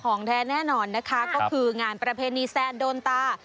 ของแท้แน่นอนนะคะก็คืองานประเพณีแซนโดนตา